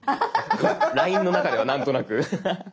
ＬＩＮＥの中ではなんとなく。